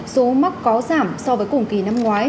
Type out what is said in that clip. số mắc có giảm so với cùng kỳ năm ngoái